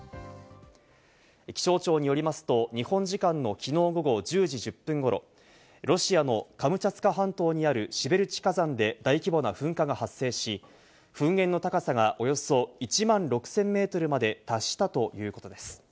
気象庁によりますと日本時間の昨日午後１０時１０分頃、ロシアのカムチャツカ半島にあるシベルチ火山で、大規模な噴火が発生し、噴煙の高さがおよそ１万６０００メートルまで達したということです。